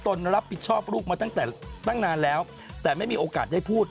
รับผิดชอบลูกมาตั้งแต่ตั้งนานแล้วแต่ไม่มีโอกาสได้พูด